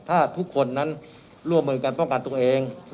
ถ้าทุกคนนั้นร่วมมือกันป้องกันตัวเอง